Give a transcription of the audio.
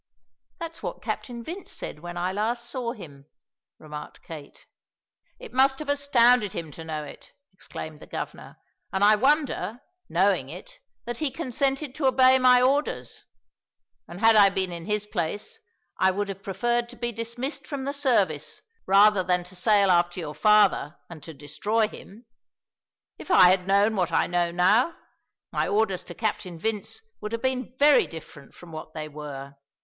"That's what Captain Vince said when I last saw him," remarked Kate. "It must have astounded him to know it," exclaimed the Governor, "and I wonder, knowing it, that he consented to obey my orders; and had I been in his place I would have preferred to be dismissed from the service rather than to sail after your father and to destroy him. If I had known what I know now, my orders to Captain Vince would have been very different from what they were.